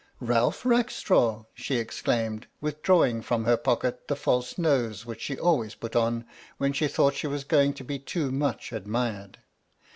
" Ralph Rackstraw!" she exclaimed, withdrawing from her pocket the false nose which she always put on when she thought she was going to be too much admired.